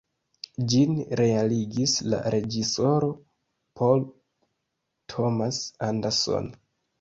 Ĝin realigis la reĝisoro Paul Thomas Anderson.